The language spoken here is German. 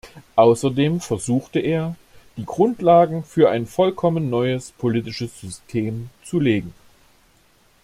Außerdem versuchte er, die Grundlagen für ein vollkommen neues politisches System zu legen.